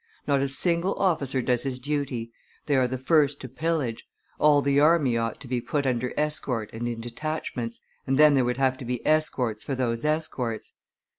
Not a single officer does his duty; they are the first to pillage; all the army ought to be put under escort and in detachments, and then there would have to be escorts for those escorts.